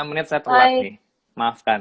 lima menit saya telat nih maafkan